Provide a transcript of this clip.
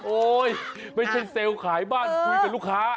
โอ๊ยไม่ใช่เซลล์ขายบ้านคุยกับลูกค้า